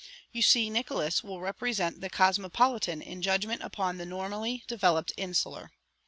"You see, Nickols will represent the cosmopolitan in judgment upon the normally developed insular.